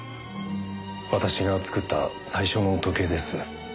私が作った最初の時計です。